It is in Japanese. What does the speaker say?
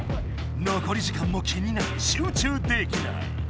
のこり時間も気になり集中できない。